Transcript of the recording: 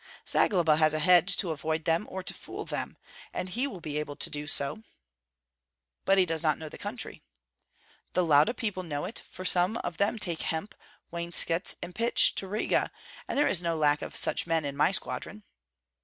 "Zagloba has a head to avoid them or to fool them; and he will be able to do so." "But he does not know the country." "The Lauda people know it; for some of them take hemp, wainscots, and pitch to Riga, and there is no lack of such men in my squadron."